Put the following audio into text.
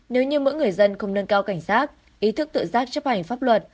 nếu như mỗi người dân không nâng cao cảnh giác ý thức tự giác chấp hành pháp luật